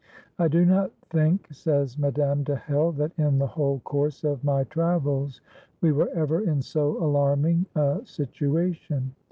"I do not think," says Madame de Hell, "that in the whole course of my travels we were ever in so alarming a situation.